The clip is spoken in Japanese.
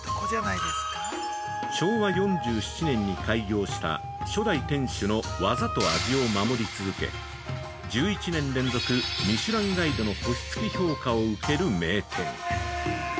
昭和４７年に開業した初代店主の技と味を守り続け、１１年連続ミシュランガイドの星付き評価を受ける名店。